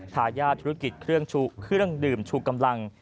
ทายาทธุรกิจเครื่องดื่มชูกำลัง